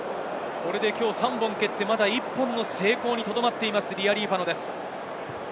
きょう３本蹴って、まだ１本の成功にとどまっているリアリーファノです。